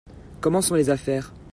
Comment sont les affaires ?